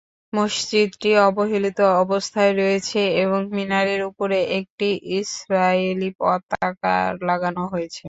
মসজিদটি অবহেলিত অবস্থায় রয়েছে এবং মিনারের উপরে একটি ইসরায়েলি পতাকা লাগানো হয়েছে।